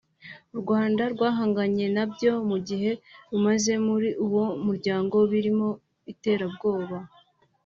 u Rwanda rwahanganye nabyo mu gihe rumaze muri uwo muryango birimo iterabwoba